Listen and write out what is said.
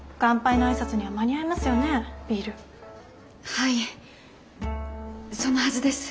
はいそのはずです。